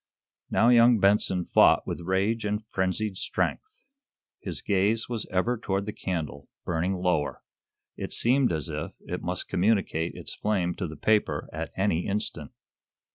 Now, young Benson fought with rage and frenzied strength. His gaze was ever toward the candle, burning lower. It seemed as if it must communicate its flame to the paper at any instant.